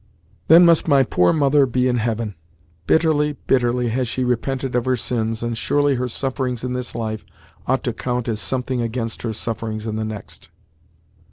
"Then must my poor poor mother be in heaven! Bitterly, bitterly has she repented of her sins, and surely her sufferings in this life ought to count as something against her sufferings in the next!"